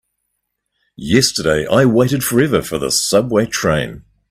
Yesterday I waited forever for the subway train.